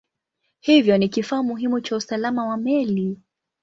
Hivyo ni kifaa muhimu cha usalama wa meli.